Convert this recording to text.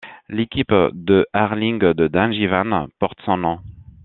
L’équipe de hurling de Dungiven porte son nom.